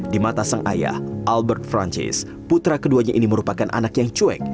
di mata sang ayah albert francis putra keduanya ini merupakan anak yang cuek